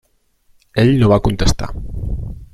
Ell no va contestar.